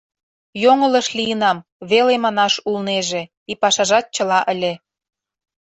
«Йоҥылыш лийынам», — веле манаш улнеже, и пашажат чыла ыле.